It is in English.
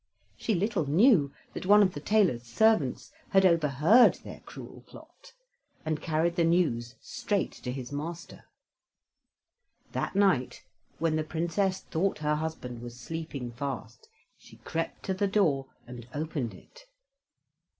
She little knew that one of the tailor's servants had overheard their cruel plot, and carried the news straight to his master. That night, when the Princess thought her husband was sleeping fast, she crept to the door and opened it.